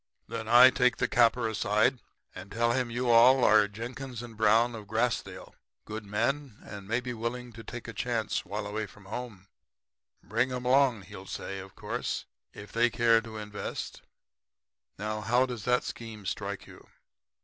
Then I take the capper aside and tell him you all are Jenkins and Brown of Grassdale, groceries and feed, good men and maybe willing to take a chance while away from home.' "'"Bring 'em along," he'll say, of course, "if they care to invest." Now, how does that scheme strike you?'